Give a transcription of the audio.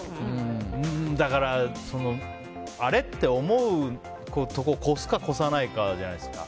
だから、あれ？って思うところを超すか超さないかじゃないですか。